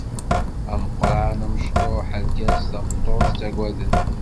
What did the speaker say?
Ameqran amecṭuḥ argaz tameṭṭut ttagaden.